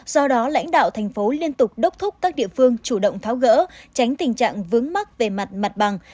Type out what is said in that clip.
do đó lãnh đạo thành phố liên tục đốc thúc các địa phương chủ động tháo gỡ tránh tình trạng vướng mắc về mặt mặt bằng